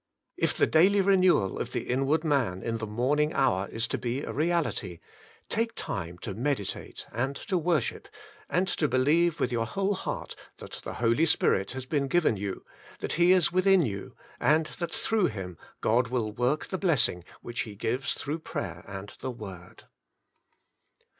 If the daily renewal of the inward man in the morning hour is to be a reality, take time to meditate, and to worship, and to believe with your whole heart that the Holy Spirit has been given you, that He is within you, and that through Him God will work the bless ing which He gives through prayer and the Word.